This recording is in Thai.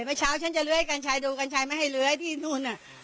ปะเช้าฉันจะเล้ยการใช้ดูการใช้มาให้เล้ยที่นุ่นน่ะ